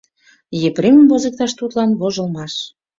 — Епремым возыкташ тудлан вожылмаш!